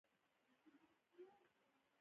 په لرغوني روم کې پور ورکوونکو ځانګړي حقونه لرل.